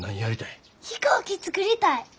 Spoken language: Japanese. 飛行機作りたい！